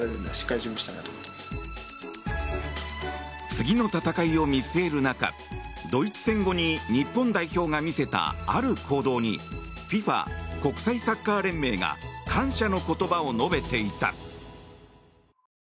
次の戦いを見据える中ドイツ戦後に日本代表が見せたある行動にＦＩＦＡ・国際サッカー連盟が感謝の言葉を述べていた。